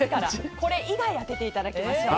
これ以外を当てていただきます。